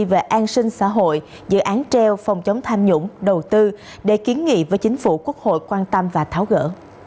về an sinh xã hội dự án treo phòng chống tham nhũng đầu tư để kiến nghị với chính phủ quốc hội quan tâm và tháo gỡ